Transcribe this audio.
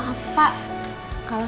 kalau saya gak ada di sekolah